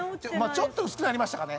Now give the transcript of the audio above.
ちょっと薄くなりましたかね？